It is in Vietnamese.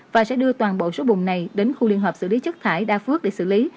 và sẽ đưa toàn bộ số bùn này đến khu liên hợp xử lý chất thải đa phước để xử lý